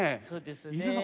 そうですね。